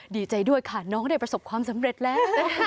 ดีใจด้วยค่ะน้องได้ประสบความสำเร็จแล้ว